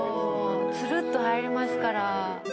ツルッと入りますから。